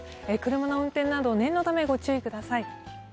車の運転など念のためご注意ください。